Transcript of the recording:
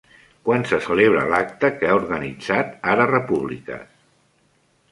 Quan se celebrarà l'acte que ha organitzat Ara Repúbliques?